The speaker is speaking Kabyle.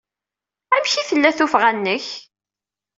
Amek ay d-tella tuffɣa-nnek?